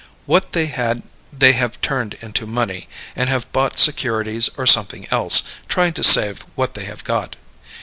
What they had they have turned into money, and have bought securities or something else, trying to save what they have got.